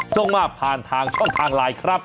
ส่งมาผ่านทางช่องทางไลน์ครับ